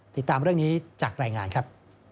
ติดตามเรื่องนี้จากรายงานครับ